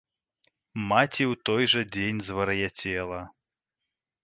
Маці ў той жа дзень звар'яцела.